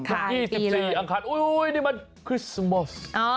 ค่ะ๒๔อังคารอุ๊ยนี่มันคริสเมิส